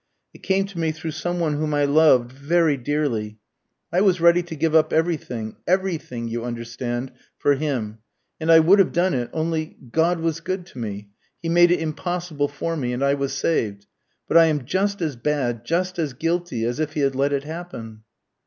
It came to me through some one whom I loved very dearly. I was ready to give up everything everything, you understand for him; and I would have done it, only God was good to me. He made it impossible for me, and I was saved. But I am just as bad, just as guilty, as if he had let it happen."